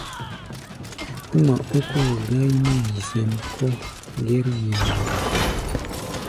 Ó ŋma ókóo gáí nɛ́ yi sɛ̌n kɔ̧ gɛ́r-yi mɛʼí̧.